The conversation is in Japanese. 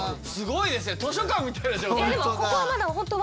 すごいですね！